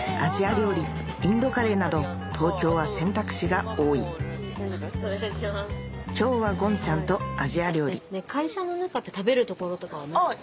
料理インドカレーなど東京は選択肢が多い今日はごんちゃんとアジア料理会社の中って食べる所とかはないの？